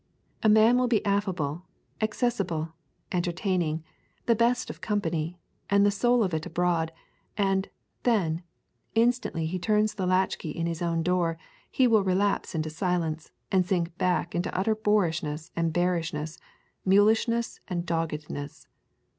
A man will be affable, accessible, entertaining, the best of company, and the soul of it abroad, and, then, instantly he turns the latch key in his own door he will relapse into silence, and sink back into utter boorishness and bearishness, mulishness and doggedness.